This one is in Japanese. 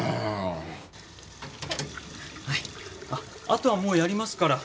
あとはもうやりますから。